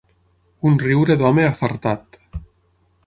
Un riure d'home afartat”.